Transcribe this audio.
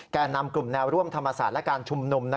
แก่นำกลุ่มแนวร่วมธรรมศาสตร์และการชุมนุม